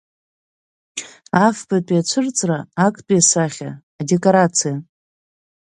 Афбатәи ацәырҵра актәи асахьа адекорациа.